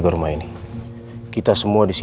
kirim ke tempat gue